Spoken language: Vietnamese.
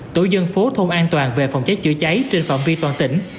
tổ dân phố thôn an toàn về phòng cháy chữa cháy trên phạm vi toàn tỉnh